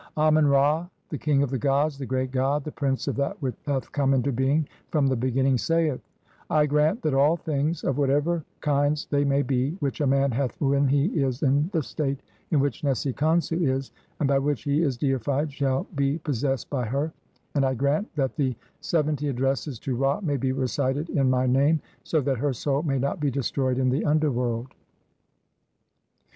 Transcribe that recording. Amen Ra, the king of the gods, the great god, the prince of that which hath come into being from the beginning, saith :— "I grant that all things, of whatever kinds they "may be, which a man hath when he is in the state "in which Nesi Khonsu is, and by which he is deified, "shall be possessed by her, and I grant that the seven "ty addresses to Ra may be recited in my name, so "that her soul may not be destroyed in the under "world."